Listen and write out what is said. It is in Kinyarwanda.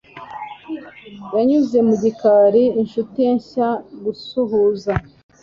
yanyuze mu gikari, inshuti ye nshya gusuhuza